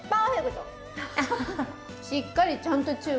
しっかりちゃんと中華。